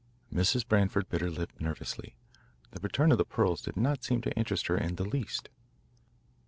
Mrs. Branford bit her lip nervously. The return of the pearls did not seem to interest her in the least.